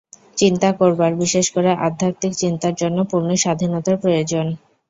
চিন্তা করবার, বিশেষ করে আধ্যাত্মিক চিন্তার জন্য পূর্ণ স্বাধীনতার প্রয়োজন।